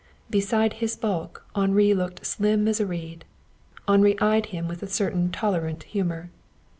Beside his bulk Henri looked slim as a reed. Henri eyed him with a certain tolerant humor.